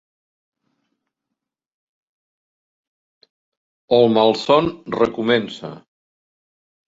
El malson recomença.